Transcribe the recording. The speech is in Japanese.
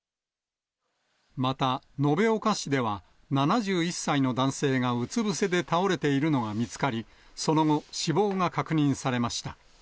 また、延岡市では７１歳の男性がうつ伏せで倒れているのが見つかり、その後、死亡が確認されました。